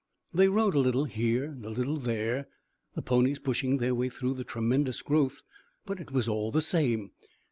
They rode a little here and a little there, the ponies pushing their way through the tremendous growth; but it was all the same.